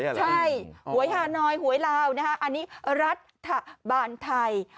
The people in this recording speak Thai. ใช่หวยฮานอยหวยลาวนะฮะอันนี้รัฐบาลไทย